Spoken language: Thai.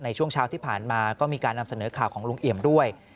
ช่วงเช้าที่ผ่านมาก็มีการนำเสนอข่าวของลุงเอี่ยมด้วย